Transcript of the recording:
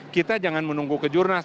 kita jangan menunggu kejurnas